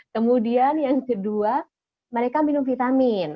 kemudian yang kedua mereka minum vitamin